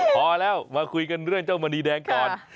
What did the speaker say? พอแล้วมาคุยกันเรื่องเจ้ามณีแดงก่อน